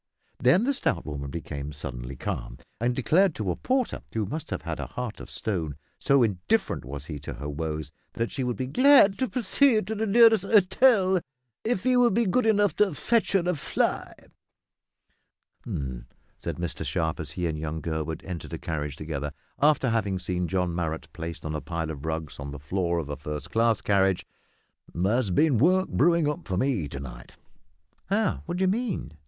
Then the stout woman became suddenly calm, and declared to a porter who must have had a heart of stone, so indifferent was he to her woes that she would be, "glad to proceed to the nearest 'otel if 'e would be good enough to fetch her a fly." "H'm!" said Mr Sharp, as he and young Gurwood entered a carriage together, after having seen John Marrot placed on a pile of rugs on the floor of a first class carriage; "there's been work brewin' up for me to night." "How? What do you mean?"